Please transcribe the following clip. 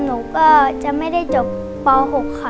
หนูก็จะไม่ได้จบป๖ค่ะ